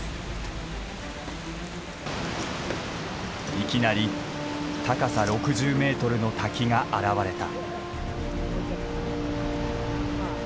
いきなり高さ６０メートルの滝が現れた。